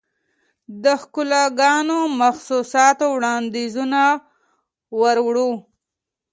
دښکالوګانو، محسوساتووړاندیزونه وروړو